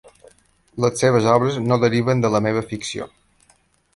Les seves obres no deriven de la meva ficció.